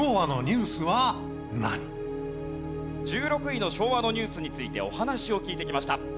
１６位の昭和のニュースについてお話を聞いてきました。